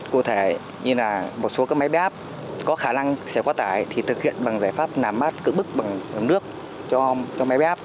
cụ thể như là một số máy biến áp có khả năng sẽ qua tải thì thực hiện bằng giải pháp nắm mát cỡ bức bằng nước cho máy biến áp